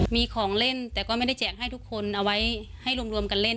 มีของเล่นแต่ก็ไม่ได้แจกให้ทุกคนเอาไว้ให้รวมกันเล่น